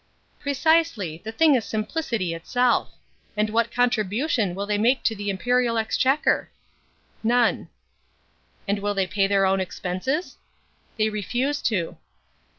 "Precisely; the thing is simplicity itself. And what contribution will they make to the Imperial Exchequer?" "None." "And will they pay their own expenses?" "They refuse to."